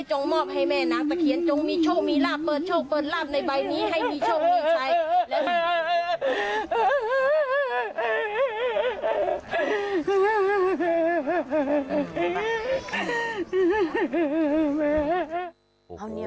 มอบให้แม่นางตะเคียนจงมีโชคมีลาบเปิดโชคเปิดลาบในใบนี้ให้มีโชคมีชัย